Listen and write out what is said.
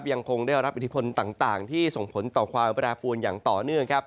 ยังคงได้รับอิทธิพลต่างที่ส่งผลต่อความแปรปวนอย่างต่อเนื่อง